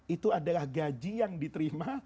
itu adalah gaji yang diterima